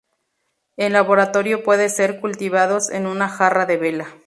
En laboratorio pueden ser cultivados en una jarra de vela.